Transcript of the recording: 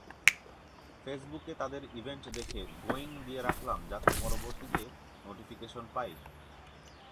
ফেসবুকে তাদের ইভেন্ট দেখে গোয়িং দিয়ে রাখলাম যাতে করে পরবর্তীতে নোটিফিকেশন পাই।